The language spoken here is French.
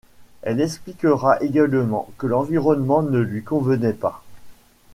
Elle expliquera également que l'environnement ne lui convenait pas.